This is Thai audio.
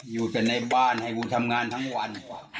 อยู่แต่ในบ้านให้กูทำงานทั้งวัน